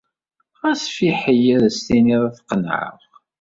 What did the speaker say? Ɣas fiḥel ad s-tiniḍ ad t-qennɛeɣ.